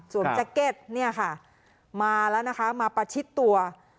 แจ็คเก็ตเนี่ยค่ะมาแล้วนะคะมาประชิดตัว